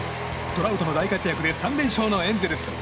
トラウトの大活躍で３連勝のエンゼルス。